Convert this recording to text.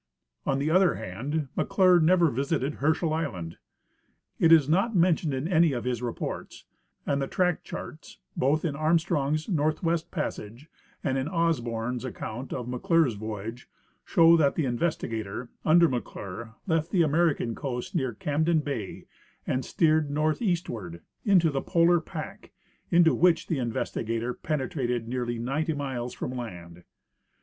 On the other hand, McClure never visited Herschel island. It is not mentioned in any of his reports, and the track charts, both in Armstrong's " NoTthwest Passage " and in Osborn's account of McClure's voyage, show that the Investigator, under McClure, left the American coast near Camden bay and steered northeastward into the polar pack, into which the Investigator penetrated nearly ninety miles from land.